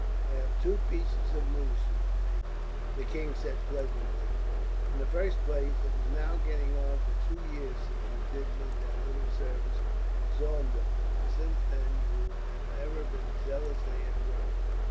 "I have two pieces of news for you, major," the king said pleasantly. "In the first place, it is now getting on for two years since you did me that little service at Zorndorf, and since then you have ever been zealously at work.